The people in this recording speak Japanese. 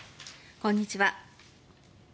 こんにちは。